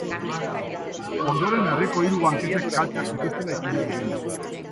Ondoren, herriko hiru banketxek kalteak zituztela ikusi zuten.